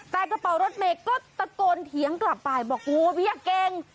แต่กระเป๋ารถเมย์ก็ตะโกนเถียงกลับไปบอกโอ้เบี้ยเก่ง